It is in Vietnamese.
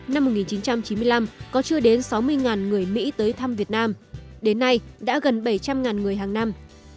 năm một nghìn chín trăm chín mươi năm có chưa đến sáu mươi người mỹ tới thăm việt nam đến nay đã gần bảy trăm linh người hàng năm